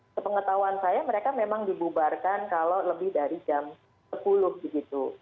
sepengetahuan saya mereka memang dibubarkan kalau lebih dari jam sepuluh begitu